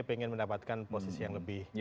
ingin mendapatkan posisi yang lebih